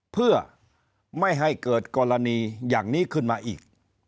เพื่อไม่ให้เกิดกรณีอย่างนี้ขึ้นมาอีก